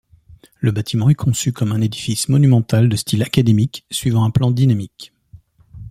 Le bâtiment est conçu comme un édifice monumental de style académique, suivant un plan dynamique.